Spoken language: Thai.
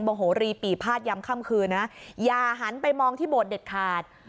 โหรีปีภาษยำค่ำคืนนะอย่าหันไปมองที่โบสถเด็ดขาด